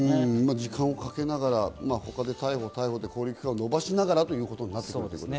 時間をかけながら逮捕、逮捕で勾留期間を延ばしながらということになりますね。